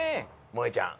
もえちゃん